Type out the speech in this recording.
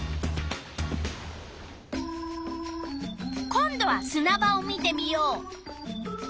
今度はすな場を見てみよう。